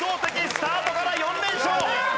スタートから４連勝。